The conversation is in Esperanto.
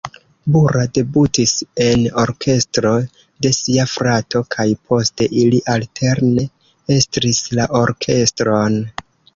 Bura debutis en orkestro de sia frato kaj poste ili alterne estris la orkestron.